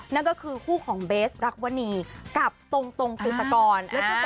นั่นก็คือคู่ของเบสรักวณีกับตรงตรงติดตะกอน